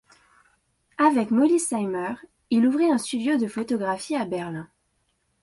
Avec Mollie Steimer, il ouvrit un studio de photographie à Berlin.